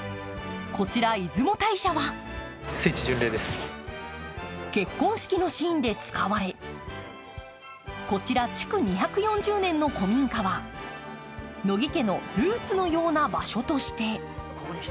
こちら出雲大社は結婚式のシーンで使われこちら築２４０年の古民家は乃木家のルーツのような場所として。